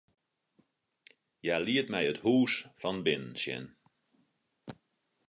Hja liet my it hûs fan binnen sjen.